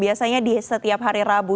biasanya di setiap hari rabu